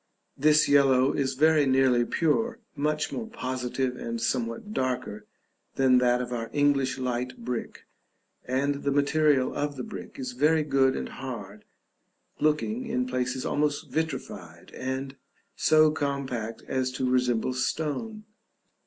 This yellow is very nearly pure, much more positive and somewhat darker than that of our English light brick, and the material of the brick is very good and hard, looking, in places, almost vitrified, and so compact as to resemble stone.